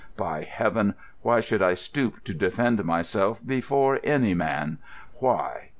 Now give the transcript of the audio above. By Heaven, why should I stoop to defend myself before any man? Why?